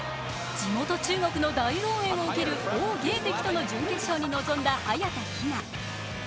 地元・中国の大応援を受ける王ゲイ迪との準決勝に臨んだ早田ひな。